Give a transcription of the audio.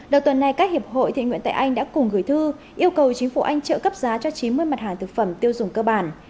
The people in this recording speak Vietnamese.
đầu tuần này các hiệp hội thiện nguyện tại anh đã cùng gửi thư yêu cầu chính phủ anh trợ cấp giá cho chín mươi mặt hàng thực phẩm tiêu dùng cơ bản